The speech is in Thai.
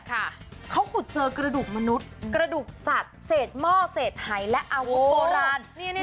เขาขุดเจอกระดูกมนุษย์กระดูกสัตว์เศษหม้อเศษหายและอาวุธโบราณ